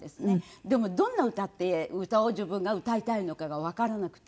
でもどんな歌って歌を自分が歌いたいのかがわからなくて。